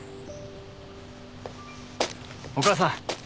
お母さん。